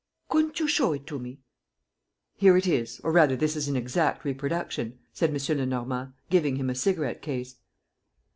"Couldn't you show it to me?" "Here it is, or rather this is an exact reproduction," said M. Lenormand, giving him a cigarette case.